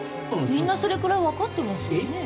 みんなそれぐらいわかってますよね。